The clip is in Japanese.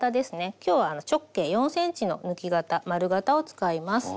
今日は直径４ｃｍの抜き型丸型を使います。